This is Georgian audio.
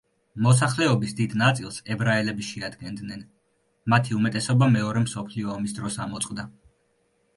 მოსახლეობის დიდ ნაწილს ებრაელები შეადგენდნენ, მათი უმეტესობა მეორე მსოფლიო ომის დროს ამოწყდა.